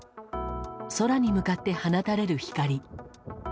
空に向かって放たれる光。